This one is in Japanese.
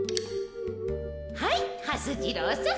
はいはす次郎さん。